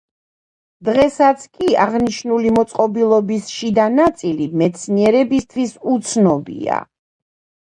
დღესაც კი აღნიშნული მოწყობილობის შიდა ნაწილი მეცნიერებისთვის უცნობია.